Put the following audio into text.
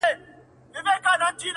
یوه ورځ ګورې چي ولاړ سي له جهانه -